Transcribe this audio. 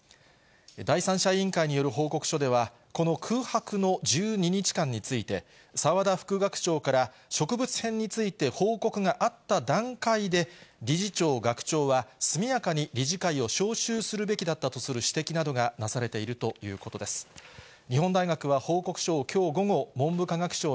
第三者委員会による報告書では、この空白の１２日間について、澤田副学長から植物片について報告があった段階で、理事長・学長は速やかに理事会を招集するべきだったとする指摘なニューアクアレーベルオールインワン明星麺神この極太麺もっちもち